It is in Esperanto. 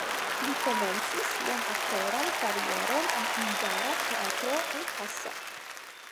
Li komencis sian aktoran karieron en Hungara Teatro en Kassa.